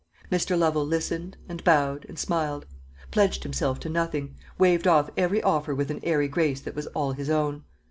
Mr. Lovel listened, and bowed, and smiled; pledged himself to nothing; waved off every offer with an airy grace that was all his own.